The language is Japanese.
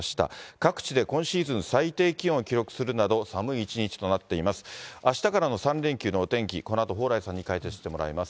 各地で今シーズン最低気温を記録するなど、寒い一日となっています。